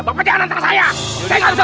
bapak jangan antara saya